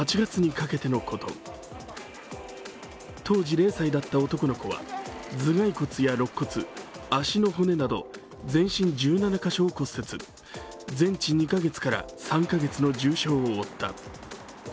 当時０歳だった男の子は頭蓋骨やろっ骨、足の骨など全身１７カ所を骨折、全治２カ月から３カ月の重傷を負った。